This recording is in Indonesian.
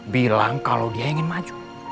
bilang kalau dia ingin maju